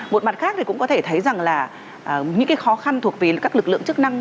một mặt khác thì cũng có thể thấy rằng là những cái khó khăn thuộc về các lực lượng chức năng